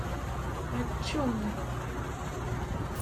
Ɛačum!